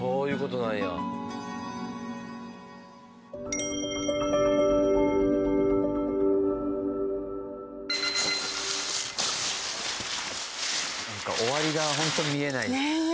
なんか終わりがホント見えない。